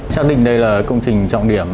xác định đây là công trình trọng điểm